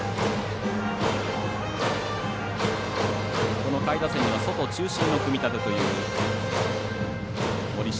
この下位打線には外中心の組み立てという森下。